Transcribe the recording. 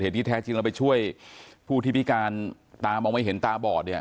ที่แท้จริงเราไปช่วยผู้ที่พิการตามองไม่เห็นตาบอดเนี่ย